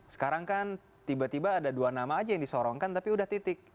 sekarang kan tiba tiba ada dua nama aja yang disorongkan tapi udah titik